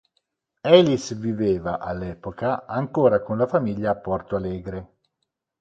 Elis viveva, all'epoca, ancora con la famiglia a Porto Alegre.